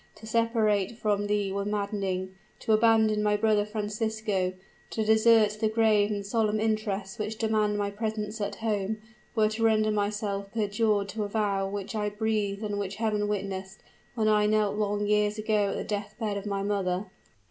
to separate from thee were maddening: to abandon my brother Francisco to desert the grave and solemn interests which demand my presence at home, were to render myself perjured to a vow which I breathed and which Heaven witnessed, when I knelt long years ago at the death bed of my mother!"